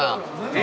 え？